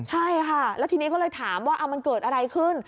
ใช่ค่ะแล้วทีนี้ก็เลยถามว่ามันเกิดอะไรขึ้น